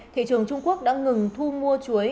thị trường trung quốc đã ngừng thu mua chuối